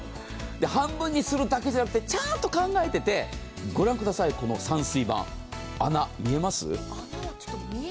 半分にするだけじゃなくてちゃーんと考えててご覧ください、この散水板、穴見えます？